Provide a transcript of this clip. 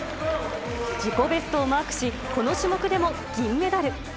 自己ベストをマークし、この種目でも銀メダル。